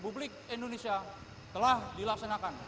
upacara telah dilaksanakan